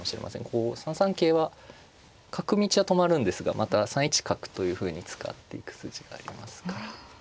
こう３三桂は角道は止まるんですがまた３一角というふうに使っていく筋がありますから。